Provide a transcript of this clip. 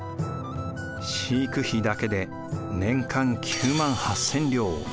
飼育費だけで年間９８０００両